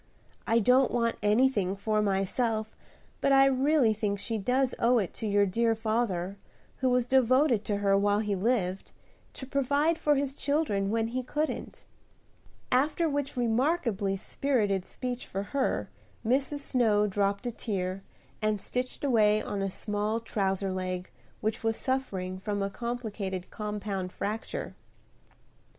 I don't want anything for myself, but I really think she owes it to your dear father, who was devoted to her while he lived, to provide for his children when he couldn't;" after which remarkably spirited speech for her, Mrs. Snow dropped a tear, and stitched away on a small trouser leg which was suffering from a complicated compound fracture.